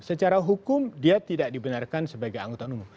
secara hukum dia tidak dibenarkan sebagai anggota umum